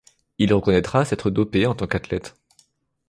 Il reconnaîtra s'être dopé en tant qu'athlète.